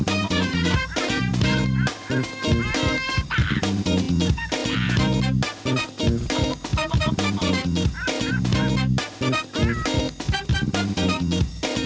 โปรดติดตามตอนต่อไป